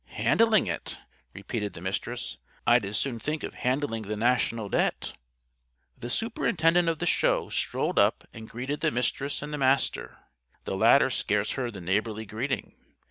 "Handling it?" repeated The Mistress. "I'd as soon think of handling the National Debt!" The Superintendent of the Show strolled up and greeted the Mistress and the Master. The latter scarce heard the neighborly greeting.